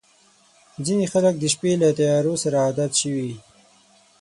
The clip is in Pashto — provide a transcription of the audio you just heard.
• ځینې خلک د شپې له تیارو سره عادت شوي.